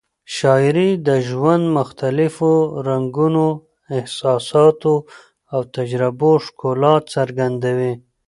شاعري د ژوند مختلفو رنګونو، احساساتو او تجربو ښکلا څرګندوي.